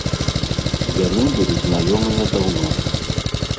Яны былі знаёмыя даўно.